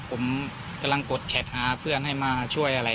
ผมกำลังกดแชทหาเพื่อนให้มาช่วยอะไร